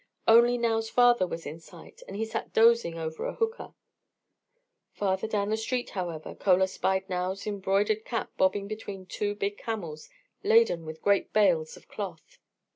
Only Nao's father was in sight, and he sat dozing over his hookah. Farther down the street, however, Chola spied Nao's embroidered cap bobbing about between two big camels laden with great bales of cloth.